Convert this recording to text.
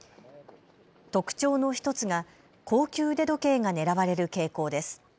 特徴の１つが高級腕時計が狙われる傾向です。